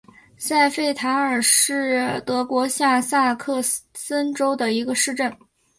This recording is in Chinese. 塞费塔尔是德国下萨克森州的一个市镇。